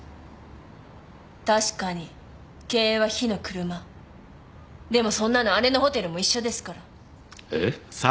確かに経営は火の車でもそんなの姉のホテルも一緒ですからえっ？